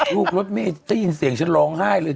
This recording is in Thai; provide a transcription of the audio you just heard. ลูกรถเมฆได้ยินเสียงฉันร้องไห้เลย